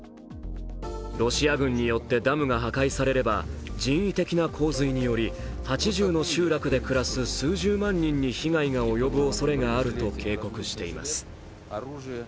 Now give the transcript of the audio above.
ロシア軍によってダムが破壊されれば人為的な洪水により８０の集落で暮らす数十万人に被害が及ぶおそれがあると警告しています。